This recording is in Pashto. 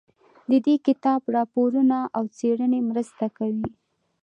د دې کتاب راپورونه او څېړنې مرسته کوي.